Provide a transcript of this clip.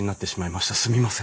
すみません。